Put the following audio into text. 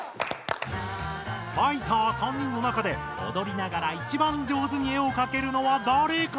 ファイター３人の中でおどりながらいちばん上手に絵をかけるのはだれか！？